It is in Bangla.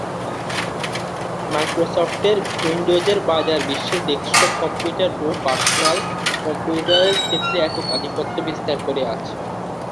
মাইক্রোসফটের উইন্ডোজের বাজার বিশ্বের ডেস্কটপ কম্পিউটার, ও পার্সোনাল কম্পিউটারের ক্ষেত্রে একক আধিপত্য বিস্তার করে আছে।